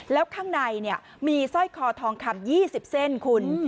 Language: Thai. แล้วข้างในเนี้ยมีสร้อยคอทองคำยี่สิบเส้นคุณ